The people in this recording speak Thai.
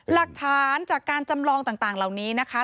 หลักฐานจากการจำลองต่างเหล่านี้นะคะ